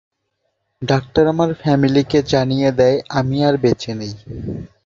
Doctor আমার ফ্যামিলিকে জানিয়ে দেয় " আমি আর বেঁচে নেই।